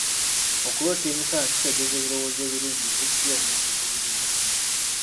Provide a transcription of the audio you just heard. Okuloota emisana kitegeeza ebirowoozo ebirungi ebiggya omuntu ku biriwo.